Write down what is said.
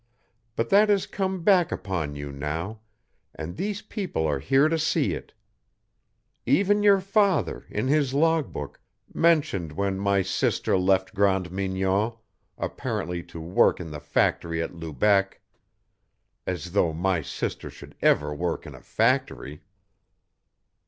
But that has come back upon you now, and these people are here to see it. Even your father, in his log book, mentioned when my sister left Grande Mignon, apparently to work in the factory at Lubec. As though my sister should ever work in a factory!"